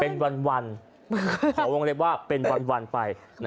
เป็นวันขอวงเล็บว่าเป็นวันไป